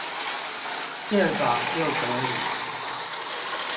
憲法就可以